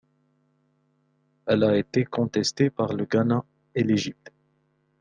Elle a été contestée par le Ghana et l'Egypte.